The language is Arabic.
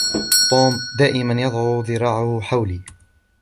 توم دائما يضع ذراعه حولي.